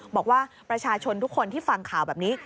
บอกว่าประชาชนทุกคนที่ฟังข่าวแบบนี้